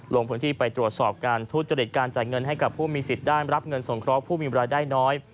ลงพื้นที่ไปตรวจสอบการทุจริตการจ่ายเงินให้กับผู้มีสิทธิ์ได้รับเงินสงเคราะห์ผู้มีเวลาได้น้อย